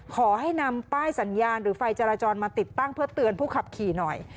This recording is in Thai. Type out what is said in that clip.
ขอให้นำป้ายสัญญาณหรือไฟจราจรมาติดตั้งเพื่อเตือนผู้ขับขี่หน่อย